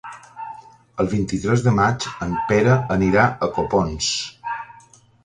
El vint-i-tres de maig en Pere anirà a Copons.